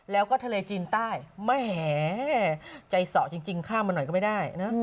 แล้วก็ทะเลจีนใต้แหมใจสอจริงข้ามมาหน่อยก็ไม่ได้นะ